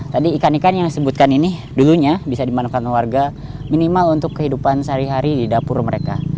tadi ikan ikan yang disebutkan ini dulunya bisa dimanfaatkan warga minimal untuk kehidupan sehari hari di dapur mereka